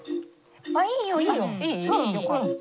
いいよいいよ。